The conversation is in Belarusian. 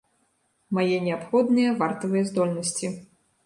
Мае неабходныя вартавыя здольнасці.